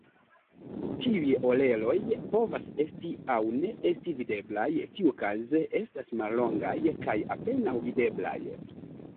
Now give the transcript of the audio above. Tiuj "oreloj" povas esti aŭ ne esti videblaj, tiukaze estas mallongaj kaj apenaŭ videblaj.